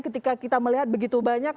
ketika kita melihat begitu banyak